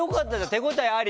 手応えあり？